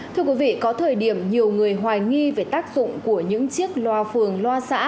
thưa quý vị có thời điểm nhiều người hoài nghi về tác dụng của những chiếc loa phường loa xã